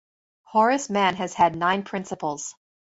Horace Mann has had nine principals.